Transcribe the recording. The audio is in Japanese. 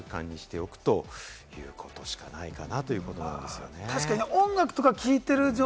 こういったことを習慣にしておくということしかないかなということなんですよね。